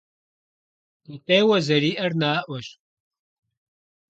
Гукъеуэ зэриӏэр наӏуэщ.